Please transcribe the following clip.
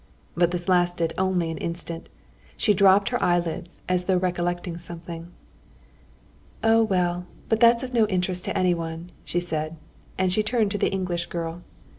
But this lasted only an instant. She dropped her eyelids, as though recollecting something. "Oh, well, but that's of no interest to anyone," she said, and she turned to the English girl.